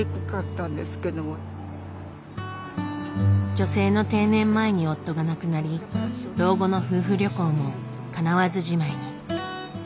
女性の定年前に夫が亡くなり老後の夫婦旅行もかなわずじまいに。